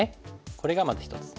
これがまず一つ。